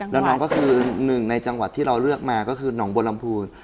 แล้วน้องก็คือหนึ่งในจังหวัดที่เราเลือกมาก็คือหนองบัวลำพูน